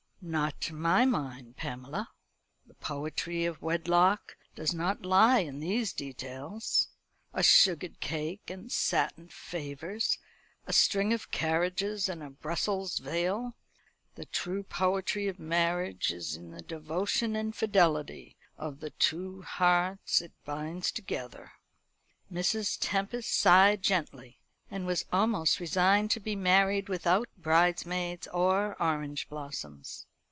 "Not to my mind, Pamela. The poetry of wedlock does not lie in these details a sugared cake, and satin favours; a string of carriages, and a Brussels veil. The true poetry of marriage is in the devotion and fidelity of the two hearts it binds together." Mrs Tempest sighed gently, and was almost resigned to be married without bridesmaids or orange blossoms.